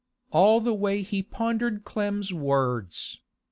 All the way he pondered Clem's words.